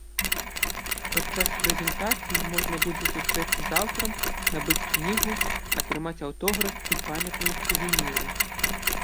Падчас прэзентацыі можна будзе сустрэцца з аўтарам, набыць кнігу, атрымаць аўтограф і памятныя сувеніры.